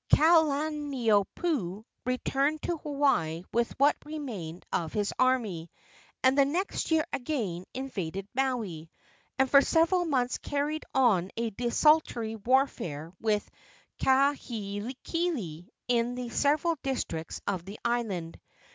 Kalaniopuu returned to Hawaii with what remained of his army, and the next year again invaded Maui, and for several months carried on a desultory warfare with Kahekili in the several districts of the island.